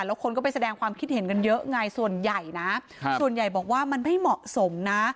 แล้วคนก็ไปแสดงความคิดเห็นกันเยอะไงส่วนใหญ่นะส่วนใหญ่บอกว่ามันไม่เหมาะสมนะ